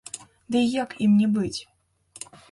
Дый як ім не быць?